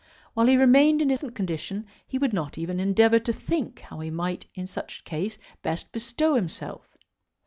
While he remained in his present condition he would not even endeavour to think how he might in such case best bestow himself.